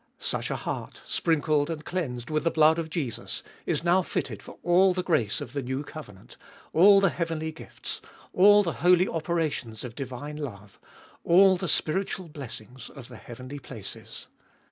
Such a heart, sprin filed and cleansed with the blood of Jesus, is now fitted for all the grace of the new covenant, all the heauenly gifts, all the holy operations of divine love, all the spiritual blessings of the heauenly places.